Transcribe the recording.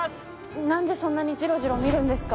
何でそんなにジロジロ見るんですか？